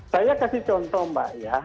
saya kasih contoh mbak ya